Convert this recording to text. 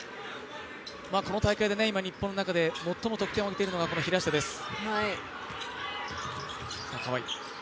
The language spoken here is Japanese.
この大会で、今日本の中で最も得点を挙げているのが、この平下です。